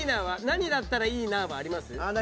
「何だったらいいな」はあります？理想は。